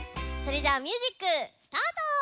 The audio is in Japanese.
それじゃあミュージックスタート！